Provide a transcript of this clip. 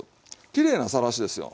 きれいなさらしですよ。